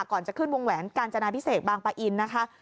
ก่อนจะขึ้นวงแหวนกาญจนาพิเศษบางปะอินนะคะ